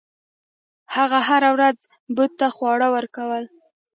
هغه هره ورځ بت ته خواړه ورکول.